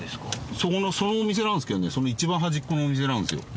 そのお店なんですけどねそのいちばん端っこのお店なんですよ。